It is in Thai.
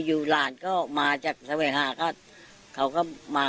อยู่หลานก็มาจากสวัสดีฮาเขาก็มา